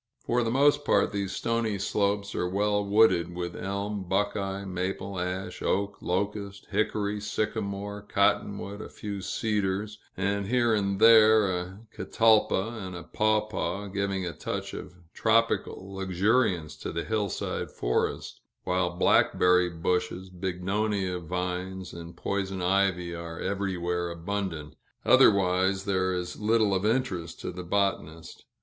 For the most part, these stony slopes are well wooded with elm, buckeye, maple, ash, oak, locust, hickory, sycamore, cotton wood, a few cedars, and here and there a catalpa and a pawpaw giving a touch of tropical luxuriance to the hillside forest; while blackberry bushes, bignonia vines, and poison ivy, are everywhere abundant; otherwise, there is little of interest to the botanist.